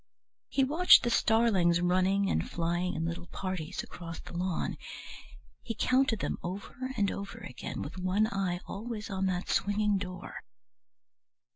He watched the starlings running and flying in little parties across the lawn; he counted them over and over again, with one eye always on that swinging door.